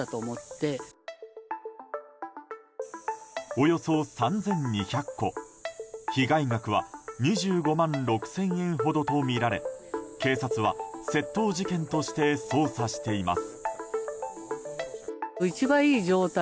およそ３２００個、被害額は２５万６０００円ほどとみられ警察は窃盗事件として捜査しています。